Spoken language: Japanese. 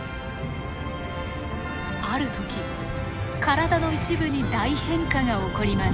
ある時体の一部に大変化が起こります。